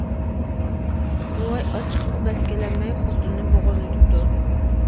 بوۋاي ئاچچىقىغا بەس كېلەلمەي خوتۇنىنى بوغۇزلىۋېتىپتۇ.